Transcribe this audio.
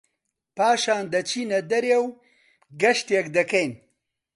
پاشان دەچینە دەرێ و گەشتێک دەکەین